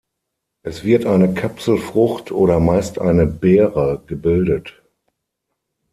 Es wird eine Kapselfrucht oder meist eine Beere gebildet.